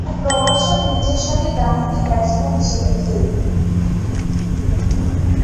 Jack Robertson নিচেরসারির ডানহাতি batsman হিসেবে খেলতেন।